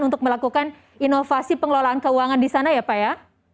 untuk melakukan inovasi pengelolaan keuangan di sana ya pak ya